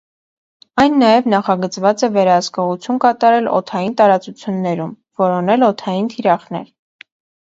Այն նաև նախագծված է վերահսկողություն կատարել օդային տարածություններում, որոնել օդային թիրախներ։